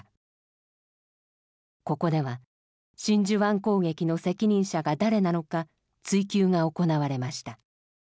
ここでは真珠湾攻撃の責任者が誰なのか追及が行われました。